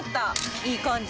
いい感じ。